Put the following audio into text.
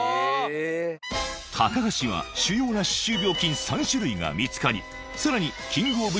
高橋は主要な歯周病菌３種類が見つかりさらにキングオブ